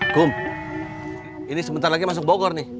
kum ini sebentar lagi masuk bogor nih